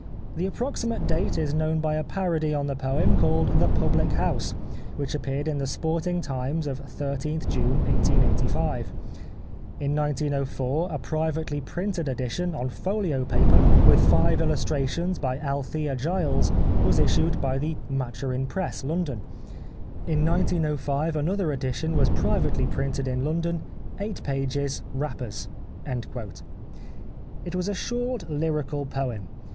The approximate date is known by a parody on the poem, called ' The Public House,' which appeared in The Sporting Times of 13th June 1885. In 1904 a privately printed edition, on folio paper, with five illustrations by Althea Gyles, was issued by the Mathurin Press, London. In 1905 another edition was privately printed in London, 8 pp., wrappers." It was a short lyrical poem.